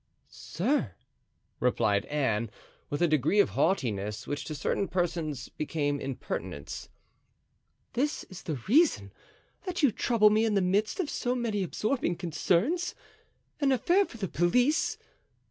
"Sir," replied Anne, with a degree of haughtiness which to certain persons became impertinence, "this is the reason that you trouble me in the midst of so many absorbing concerns! an affair for the police!